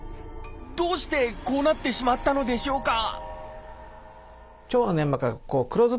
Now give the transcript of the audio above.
どうしてこうなってしまったのでしょうか？